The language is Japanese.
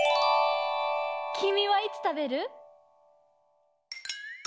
きみはいつたべる？